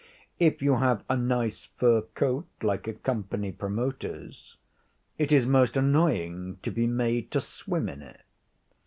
If you have a nice fur coat like a company promoter's, it is most annoying to be made to swim in it.